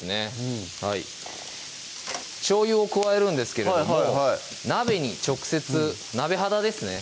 うんしょうゆを加えるんですけれども鍋に直接鍋肌ですね